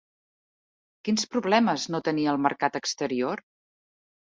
Quins problemes no tenia el mercat exterior?